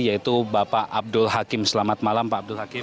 yaitu bapak abdul hakim selamat malam pak abdul hakim